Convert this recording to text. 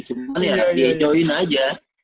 cuman ya enjoyin aja